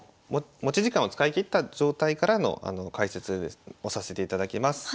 持ち時間を使い切った状態からの解説をさせていただきます。